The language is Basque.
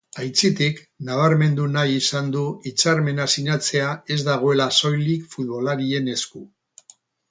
Aitzitik, nabarmendu nahi izan du hitzarmena sinatzea ez dagoela soilik futbolarien esku.